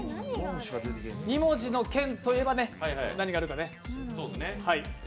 ２文字の県といえばね何があるか。